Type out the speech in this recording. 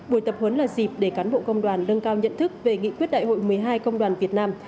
buổi tập huấn là dịp để cán bộ công đoàn nâng cao nhận thức về nghị quyết đại hội một mươi hai công đoàn việt nam